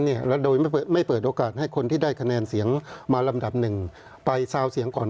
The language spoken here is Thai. เนี่ยแล้วโดยไม่เปิดโอกาสให้คนที่ได้คะแนนเสียงมาลำดับหนึ่งไปซาวเสียงก่อน